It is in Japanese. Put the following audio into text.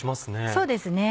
そうですね。